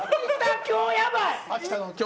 今日やばい。